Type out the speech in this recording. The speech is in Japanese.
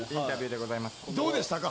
どうでしたか？